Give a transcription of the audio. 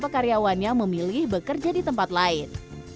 karyawannya memilih bekerja di tempat lain